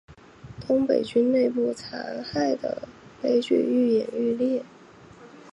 东北军内部残杀的悲剧愈演愈烈。